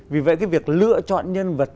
vì vậy cái việc lựa chọn nhân vật